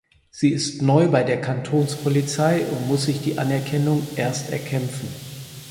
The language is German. Sie ist neu bei der Kantonspolizei und muss sich die Anerkennung erst erkämpfen.